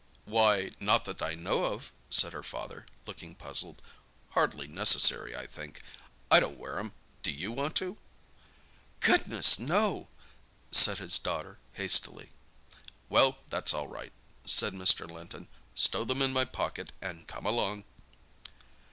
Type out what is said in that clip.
"Why, not that I know of," said her father, looking puzzled. "Hardly necessary, I think. I don't wear 'em. Do you want to?" "Goodness—no!" said his daughter hastily. "Well, that's all right," said Mr. Linton. "Stow them in my pocket and come along."